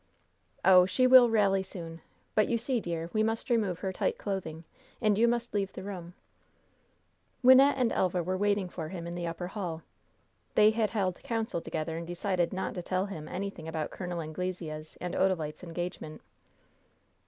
"Oh, she will rally soon! But you see, dear, we must remove her tight clothing, and you must leave the room." "Oh, I see," assented the youth, and he went out. Wynnette and Elva were waiting for him in the upper hall. They had held council together and decided not to tell him anything about Col. Anglesea's and Odalite's engagement.